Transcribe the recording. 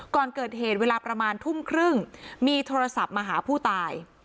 ก่อนเกิดเหตุเวลาประมาณทุ่มครึ่งมีโทรศัพท์มาหาผู้ตาย